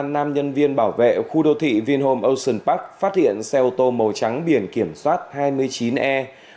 nam nhân viên bảo vệ khu đô thị vinhome ocean park phát hiện xe ô tô màu trắng biển kiểm soát hai mươi chín e một nghìn hai trăm bốn mươi hai